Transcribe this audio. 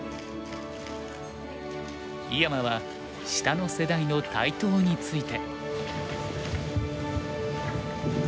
井山は下の世代の台頭について。